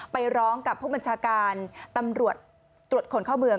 ไปร้องกับผู้บัญชาการตำรวจตรวจคนเข้าเมือง